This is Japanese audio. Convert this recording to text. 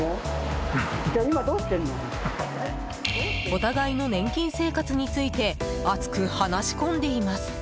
お互いの年金生活について熱く話し込んでいます。